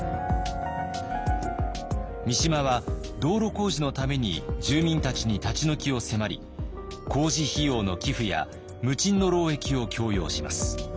三島は道路工事のために住民たちに立ち退きを迫り工事費用の寄付や無賃の労役を強要します。